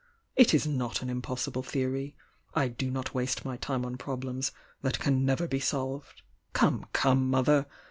It is not an impos sible theory,— I do not waste my time on problems that can never be solved. Come, come. Mother!